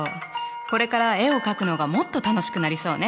これから絵を描くのがもっと楽しくなりそうね。